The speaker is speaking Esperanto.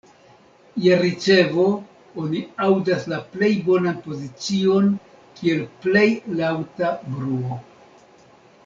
Je ricevo oni aŭdas la plej bonan pozicion kiel plej laŭta bruo.